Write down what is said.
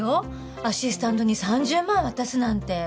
アシスタントに３０万渡すなんて。